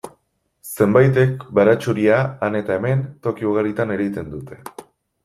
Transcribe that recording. Zenbaitek baratxuria han eta hemen, toki ugaritan ereiten dute.